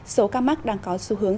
số ca mắc đang có xu hướng